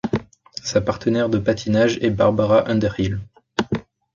Sa partenaire de patinage est Barbara Underhill.